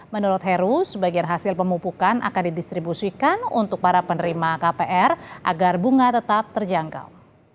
menurut heru sebagian hasil pemupukan akan didistribusikan untuk para penerima kpr agar bunga tetap terjangkau